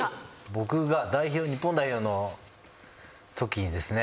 僕が日本代表のときにですね。